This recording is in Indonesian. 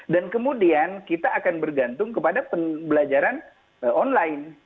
dan kemudian kita akan bergantung kepada pembelajaran online